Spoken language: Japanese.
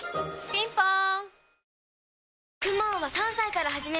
ピンポーン